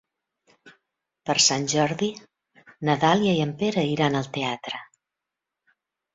Per Sant Jordi na Dàlia i en Pere iran al teatre.